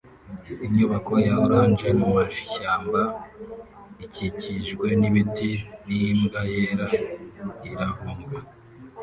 Inyubako ya orange mumashyamba ikikijwe nibiti n'imbwa yera irahunga